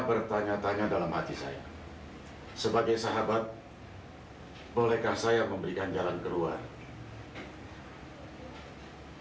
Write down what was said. bertanya tanya dalam hati saya sebagai sahabat hai bolehkah saya memberikan jalan keluar dengan meminta bu imas